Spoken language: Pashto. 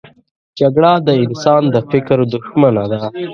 جګړه د انسان د فکر دښمنه ده